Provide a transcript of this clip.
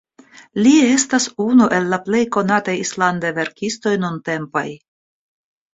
Li estas unu el la plej konataj islandaj verkistoj nuntempaj.